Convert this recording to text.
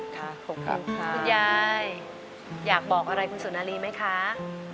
คุณยายอยากบอกอะไรคุณสุนารีไหมคะ